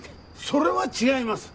それは違います